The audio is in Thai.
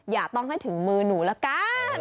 อย่าต้องให้ถึงมือหนูละกัน